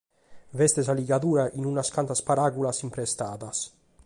B’est sa ligadura in unas cantas paràulas imprestadas.